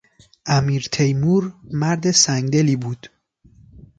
امیر تیمور مرد سنگدلی بود.